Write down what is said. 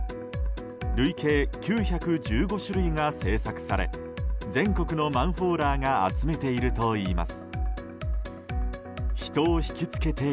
累計９１５種類が製作され全国のマンホーラーが集めているといいます。